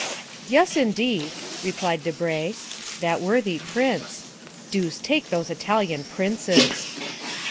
"Yes, indeed!" replied Debray. "That worthy prince. Deuce take those Italian princes!"